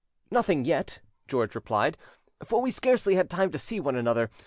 "Nothing yet," George replied; "for we scarcely had time to see one another.